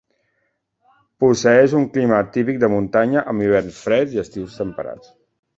Posseïx un clima típic de muntanya, amb hiverns freds i estius temperats.